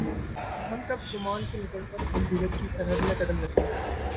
ہم کب گمان سے نکل کربصیرت کی سرحد میں قدم رکھیں گے؟